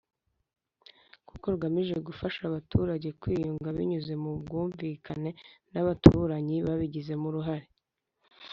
kuko rugamije gufasha abaturage kwiyunga binyuze mu bwumvikane n’abaturanyi babigizemo uruhare.